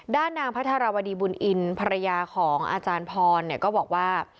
ด้านนางพระธารวดีบุญอินภรรยาของอาจารย์พรก็บอกว่า